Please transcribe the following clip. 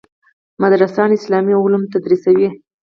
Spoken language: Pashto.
مدرسان اسلامي علوم تدریسوي.